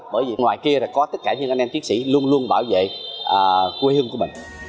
bởi vì ngoài kia là có tất cả những anh em chiến sĩ luôn luôn bảo vệ quê hương của mình